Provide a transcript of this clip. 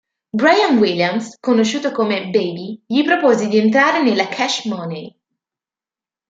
Bryan Williams conosciuto come "Baby" gli propose di entrare nella Cash Money.